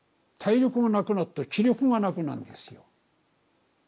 体力がなくなって気力がなくなるんですよ。